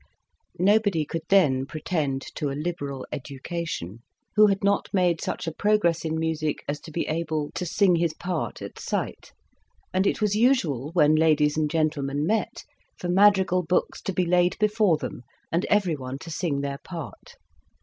Nobody could then pretend to a liberal education, who had not made such a progress in music as to be able 9 Introduction. to sing his part at sight, and it was usual when ladies and gentlemen met, for madrigal books to be laid before them, and everyone to sing their part.